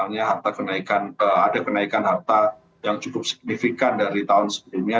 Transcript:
kita harus belajar misalnya ada kenaikan harta yang cukup signifikan dari tahun sebelumnya